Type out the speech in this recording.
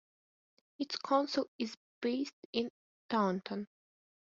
Its council is based in Taunton.